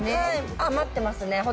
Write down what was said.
余ってますね。